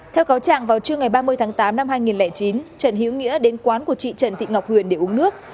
theo cáo trạng vào trưa ngày ba mươi tháng tám năm hai nghìn chín trần hiếu nghĩa đến quán của chị trần thị ngọc huyền để uống nước